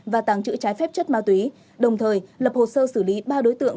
và tàng trữ trái phép chất ma túy đồng thời lập hồ sơ xử lý ba đối tượng